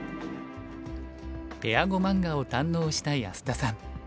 ペア碁漫画を堪能した安田さん。